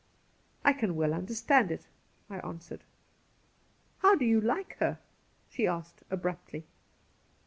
' I can well understand it,' I answered. ' How do you like her ?' she asked abruptly.